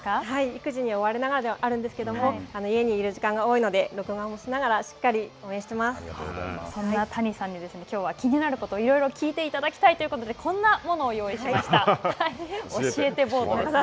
育児に追われながらではありますけれども、家にいる時間が多いので録画もしながらそんな谷さんに、気になること、いろいろ聞いていただきたいということで、こんなものを用意しました。